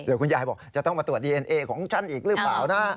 คุณยายบอกจะต้องมาตรวจดีเอ็นเอของฉันอีกหรือเปล่านะ